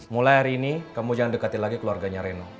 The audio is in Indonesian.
mulai hari ini kamu jangan dekati lagi keluarganya reno